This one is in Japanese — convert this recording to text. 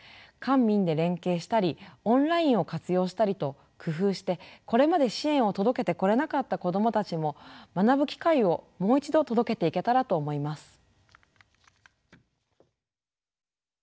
官民で連携したりオンラインを活用したりと工夫してこれまで支援を届けてこられなかった子どもたちも学ぶ機会をもう一度届けていけたらと思います。